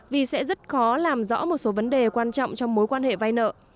vì sẽ rất khó làm rõ một số vấn đề quan trọng trong mối quan hệ vay nợ